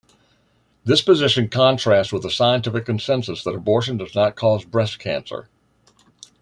This position contrasts with the scientific consensus that abortion does "not" cause breast cancer.